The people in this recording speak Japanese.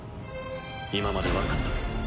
今まで悪かった。